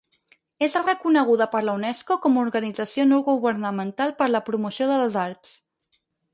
És reconeguda per la Unesco com Organització no governamental per la promoció de les arts.